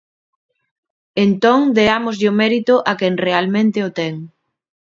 Entón, deámoslle o mérito a quen realmente o ten.